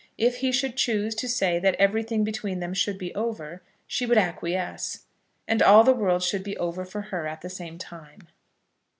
If he should choose to say that everything between them should be over, she would acquiesce, and all the world should be over for her at the same time.